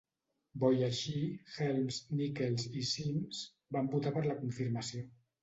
Bo i així, Helms, Nickles i Symms van votar per la confirmació.